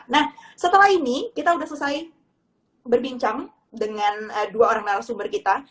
nah setelah ini kita sudah selesai berbincang dengan dua orang narasumber kita